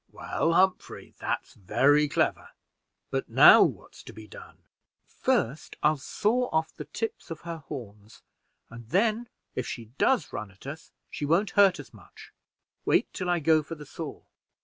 "Well, Humphrey, that's very clever; but now what is to be done?" "First, I'll saw off the tips of her horns, and then if she does run at us, she won't hurt us much. Wait till I go for the saw."